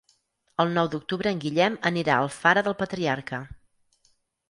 El nou d'octubre en Guillem anirà a Alfara del Patriarca.